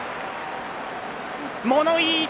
物言い。